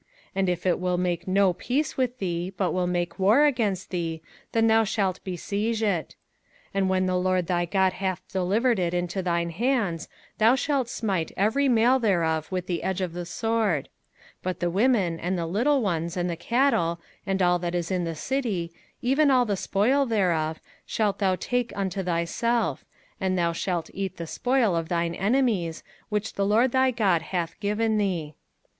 05:020:012 And if it will make no peace with thee, but will make war against thee, then thou shalt besiege it: 05:020:013 And when the LORD thy God hath delivered it into thine hands, thou shalt smite every male thereof with the edge of the sword: 05:020:014 But the women, and the little ones, and the cattle, and all that is in the city, even all the spoil thereof, shalt thou take unto thyself; and thou shalt eat the spoil of thine enemies, which the LORD thy God hath given thee.